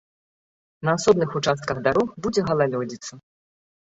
На асобных участках дарог будзе галалёдзіца.